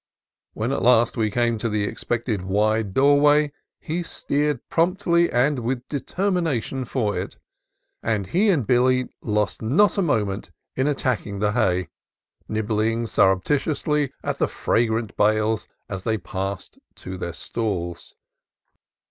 When at last we came to the expected wide doorway he steered promptly and with determination for it, and he and Billy lost not a moment in attacking the hay, nibbling surrepti tiously at the fragrant bales as they passed to their stalls.